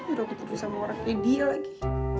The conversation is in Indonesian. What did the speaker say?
udah aku terus sama orang kayak dia lagi